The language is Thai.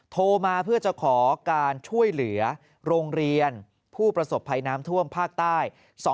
โทรมาเพื่อจะขอการช่วยเหลือโรงเรียนผู้ประสบภัยน้ำท่วมภาคใต้